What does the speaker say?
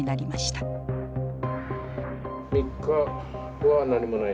３日は何もない。